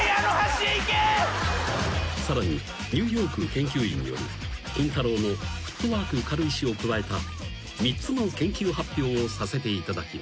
［さらにニューヨーク研究員によるキンタロー。のフットワーク軽い史を加えた３つの研究発表をさせていただきます］